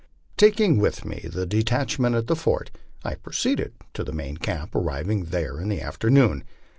Taking with me the detachment at the fort, I proceeded to the main camp, arriving there in the afternoon.